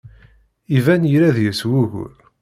Iban yella deg-s wugur.